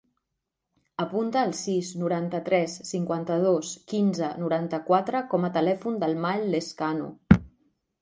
Apunta el sis, noranta-tres, cinquanta-dos, quinze, noranta-quatre com a telèfon del Mael Lezcano.